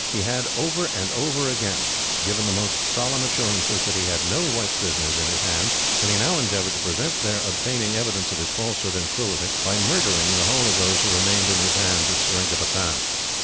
He had, over and over again, given the most solemn assurances that he had no white prisoners in his hands; and he now endeavoured to prevent their obtaining evidence of his falsehood and cruelty, by murdering the whole of those who remained in his hands at Seringapatam.